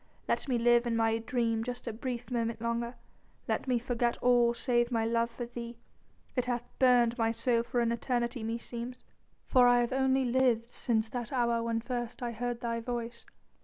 Let me live in my dream just a brief moment longer; let me forget all save my love for thee. It hath burned my soul for an eternity meseems, for I have only lived since that hour when first I heard thy voice